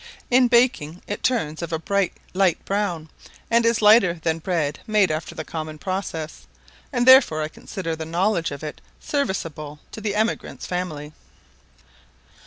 In baking, it turns of a bright light brown, and is lighter than bread made after the common process, and therefore I consider the knowledge of it serviceable to the emigrant's family.